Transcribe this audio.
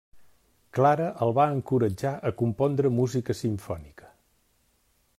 Clara el va encoratjar a compondre música simfònica.